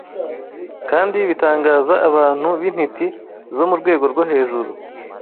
kandi bitangaza abantu b’intiti zo mu rwego rwo hejuru